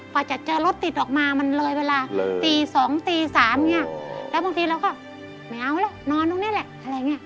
พ่อจะเจอรถติดออกมามันเลยเวลาตี๒ตี๓ครับแล้วบางทีเราก็ไม่เอานอนตรงนี้แหละอะไรแบบนี้